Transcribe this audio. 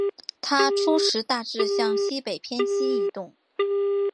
它初时大致向西北偏西移动。